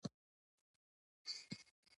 بېنډۍ د ورځې خوړو کې شاملېږي